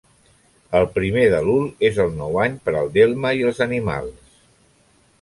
El primer d'Elul és el nou any per al delme i els animals.